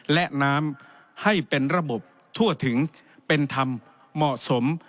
และน้ำให้เป็นระบบทั่วถึงเป็นธรรมเหมาะสม